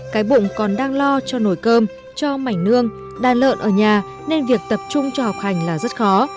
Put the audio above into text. cái bụng còn đang lo cho nồi cơm cho mảnh nương đàn lợn ở nhà nên việc tập trung cho học hành là rất khó